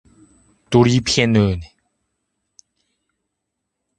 都是骗人的